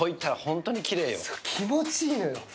これ、気持ちいいのよ。